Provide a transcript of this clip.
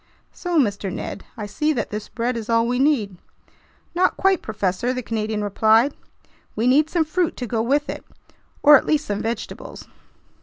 "So, Mr. Ned, I see that this bread is all we need—" "Not quite, professor," the Canadian replied. "We need some fruit to go with it, or at least some vegetables."